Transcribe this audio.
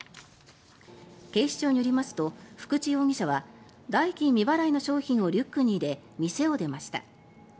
警視庁によりますと福地容疑者は代金未払いの商品をリュックに入れ店を出ました。